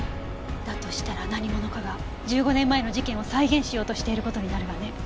だとしたら何者かが１５年前の事件を再現しようとしている事になるわね。